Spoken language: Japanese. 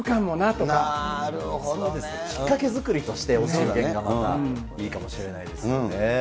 なるほどね。きっかけ作りとしてお中元がまた、いいかもしれないですよね。